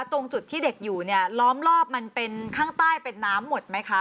ตรงจุดที่เด็กอยู่เนี่ยล้อมรอบมันเป็นข้างใต้เป็นน้ำหมดไหมคะ